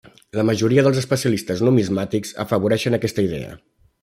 La majoria dels especialistes numismàtics afavoreixen aquesta idea.